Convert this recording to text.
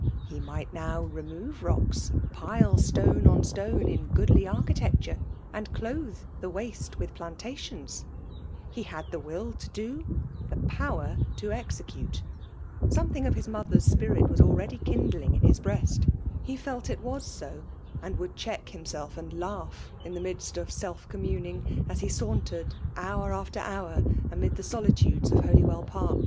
He .might now remove rocksj pile sione ou 8^911^. in goodly architecture, and clothQ the if^^e:wijth plants^tions. He had the will to ^ith^ pi^wer to execute* Something of hia » i|^jtl|^ a spirit was already Undling in his |)fpas]b^ H^, felt it was so ; and would check •*• hivB^If and laugh in the midst of his self corn^ :i|^l^ng> faifi he sauntered, hour after hour, «wid;the solitudes of Holywell Park.